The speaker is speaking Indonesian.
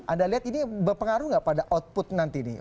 anda lihat ini berpengaruh nggak pada output nanti nih